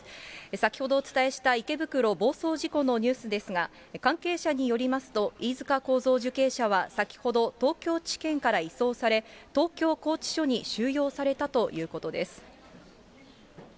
先ほどお伝えした池袋暴走事故のニュースですが、関係者によりますと、飯塚幸三受刑者は先ほど、東京地検から移送され、東京拘置所に収容されたということです。